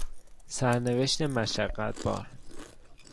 سرنوشت مشقتبار